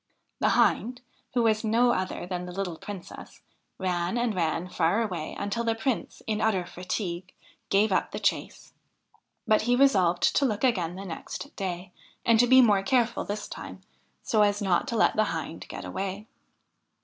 The Hind, who was no other than the little Princess, ran and ran far away until the Prince, in utter fatigue, gave up the chase ; but he resolved to look again the next day, and to be more careful this time, so as not to let the Hind get away.